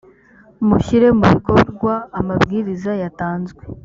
mushyire mu bikorwa amabwiriza yatanzwe.